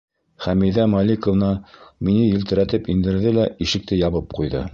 Хәмиҙә Маликовна мине елтерәтеп индерҙе лә ишекте ябып ҡуйҙы.